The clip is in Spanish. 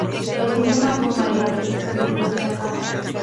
Los síntomas son variables dependiendo de la causa.